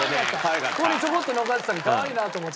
ここにちょこっと残ってたのかわいいなと思って。